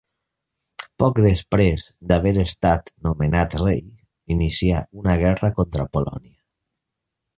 Poc després d'haver estat nomenat rei, inicià una guerra contra Polònia.